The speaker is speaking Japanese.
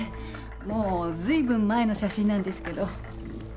もう随分前の写真なんですけど。